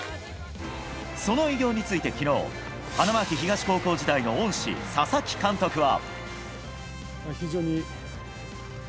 その偉業について昨日花巻東高校時代の恩師佐々木監督は。